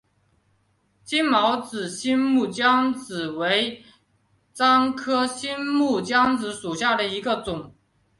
金毛新木姜子为樟科新木姜子属下的一个种。